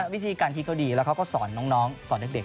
วิธีการคิดเขาดีแล้วเขาก็สอนน้องสอนเด็ก